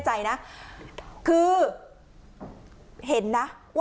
ไอ้คันกระบะ